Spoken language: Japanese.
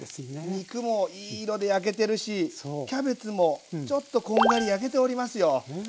肉もいい色で焼けてるしキャベツもちょっとこんがり焼けておりますよ。